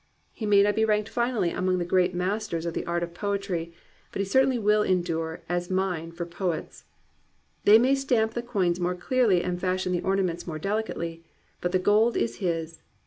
He may not be ranked 268 GLORY OF THE IMPERFECT'' finally among the great masters of the art of poetry. But he certainly will endure as a mine for poets. They may stamp the coins more clearly and fashion the ornaments more dehcately. But the gold is his.